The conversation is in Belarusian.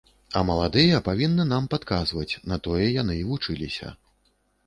А маладыя павінны нам падказваць, на тое яны і вучыліся.